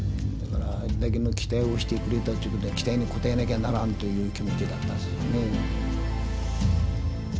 あれだけの期待をしてくれたっちゅうことは期待に応えなきゃならんという気持ちだったですよね。